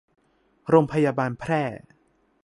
โรงพยาบาลแพร่